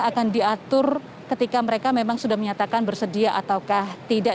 akan diatur ketika mereka memang sudah menyatakan bersedia ataukah tidak